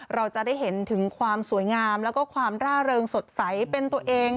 เราจะได้เห็นถึงความสวยงามแล้วก็ความร่าเริงสดใสเป็นตัวเอง